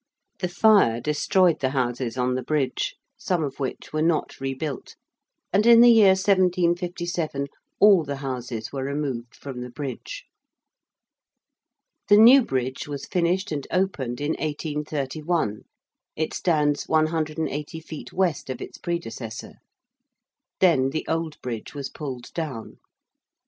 The Fire destroyed the houses on the Bridge, some of which were not rebuilt: and in the year 1757 all the houses were removed from the Bridge. The New Bridge was finished and opened in 1831 it stands 180 feet west of its predecessor. Then the Old Bridge was pulled down.